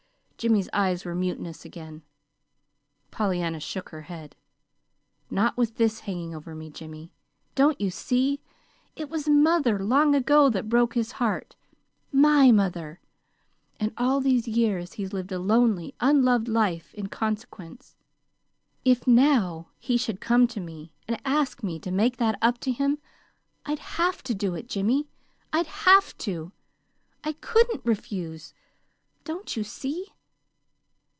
Jimmy's eyes were mutinous again. Pollyanna shook her head. "Not with this hanging over me, Jimmy. Don't you see? It was mother, long ago, that broke his heart MY MOTHER. And all these years he's lived a lonely, unloved life in consequence. If now he should come to me and ask me to make that up to him, I'd HAVE to do it, Jimmy. I'd HAVE to. I couldn't REFUSE! Don't you see?"